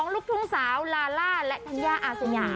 ๒ลูกทุ่งสาวลาล่าและทันยาอาศญา